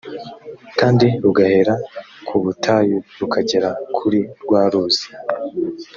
kandi rugahera ku butayu rukagera kuri rwa ruzi